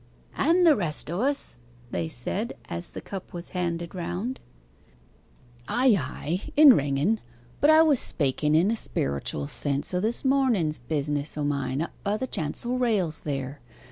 'And the rest o' us,' they said, as the cup was handed round. 'Ay, ay in ringen but I was spaken in a spiritual sense o' this mornen's business o' mine up by the chancel rails there.